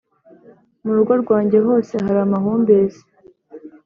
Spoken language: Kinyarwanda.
mu rugo rwanjye hose hari amahumbezi